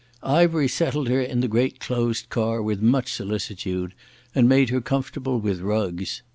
Ivery settled her in the great closed car with much solicitude, and made her comfortable with rugs.